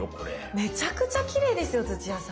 めちゃくちゃきれいですよ土屋さん。